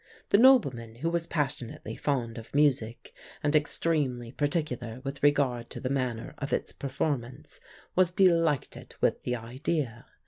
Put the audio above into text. The nobleman, who was passionately fond of music, and extremely particular with regard to the manner of its performance, was delighted with the idea.